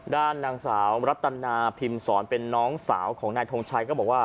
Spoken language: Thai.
ด้านนางสาวรัตนาพิมศรเป็นน้องสาวของนายทงชัยก็บอกว่า